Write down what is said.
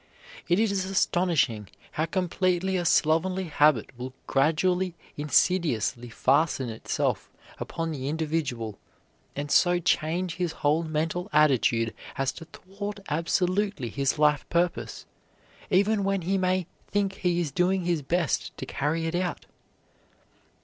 It is astonishing how completely a slovenly habit will gradually, insidiously fasten itself upon the individual and so change his whole mental attitude as to thwart absolutely his life purpose, even when he may think he is doing his best to carry it out.